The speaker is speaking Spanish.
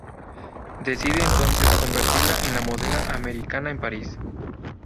Decide, entonces, convertirla en la modelo Americana en París.